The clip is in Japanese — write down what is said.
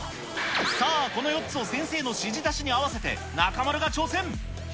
さあ、この４つを先生の指示出しに合わせて、中丸が挑戦。